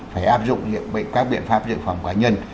phải áp dụng các biện pháp dự phòng cá nhân